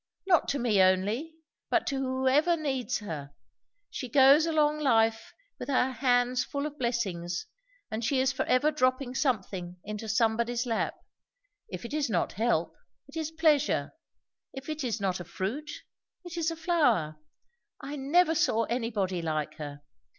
Not to me only, but to whoever needs her. She goes along life with her hands full of blessings, and she is forever dropping something into somebody's lap; if it is not help, it is pleasure; if it is not a fruit, it is a flower. I never saw anybody like her.